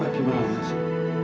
bagaimana ini pak edwi